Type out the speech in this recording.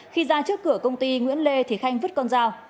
khi ra trước cửa công ty nguyễn lê thì khanh vứt con dao